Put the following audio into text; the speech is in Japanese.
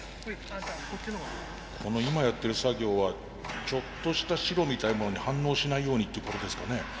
この今やってる作業はちょっとした白みたいなものに反応しないようにってことですかね。